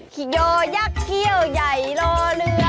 เคี่ยวยักเคี่ยวใหญ่รอเรือค่ะ